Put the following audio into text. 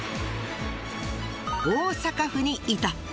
大阪府にいた！